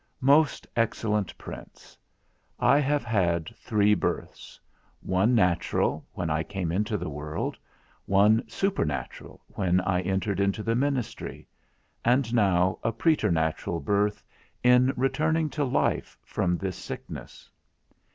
MOST EXCELLENT PRINCE, I have had three births; one, natural, when I came into the world; one, supernatural, when I entered into the ministry; and now, a preternatural birth, in returning to life, from this sickness.